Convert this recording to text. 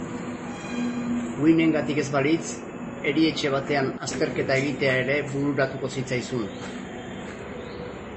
Gwynengatik ez balitz, erietxe batean azterketa egitea ere bururatuko zitzaizun.